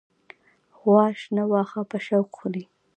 غوا شنه واخه په شوق خوری